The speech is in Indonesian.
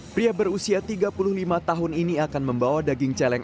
pria berusia tiga puluh lima tahun ini akan membawa daging celeng